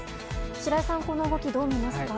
白井さん、この動きどう見ますか？